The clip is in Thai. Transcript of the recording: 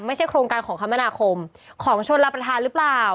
ไม่ใช่โครงการของคมนาคมของชนรับประทานหรือเปล่า